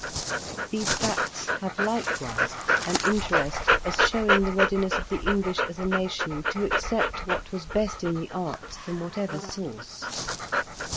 These facts have likewise an interest as shew ing the readiness of the English as a nation to accept what was best in the arts from what ever source.